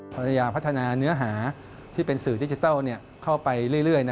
พยายามพัฒนาเนื้อหาที่เป็นสื่อดิจิทัลเข้าไปเรื่อยนะครับ